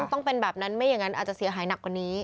ต้องเป็นแบบนั้นไม่อย่างนั้นอาจจะเสียหายหนักกว่านี้